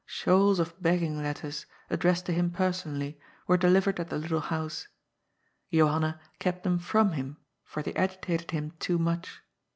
Shoals of begging letters, addressed to him personally, were delivered at the little house. Johanna kept them from him, for they agitated him too much.